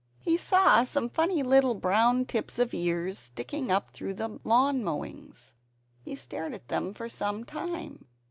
He saw some funny little brown tips of ears sticking up through the lawn mowings. He stared at them for some time.